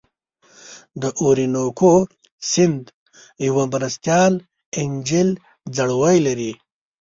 د اورینوکو سیند یوه مرستیال انجیل ځړوی لري.